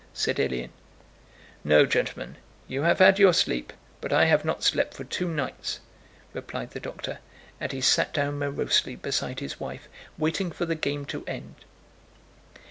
said Ilyín. "No, gentlemen, you have had your sleep, but I have not slept for two nights," replied the doctor, and he sat down morosely beside his wife, waiting for the game to end.